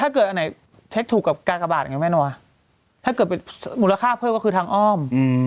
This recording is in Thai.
ถ้าเกิดอันไหนเทคถูกกับการกระบาดอย่างนี้แม่นว่าถ้าเกิดมูลค่าเพิ่มก็คือทางอ้อม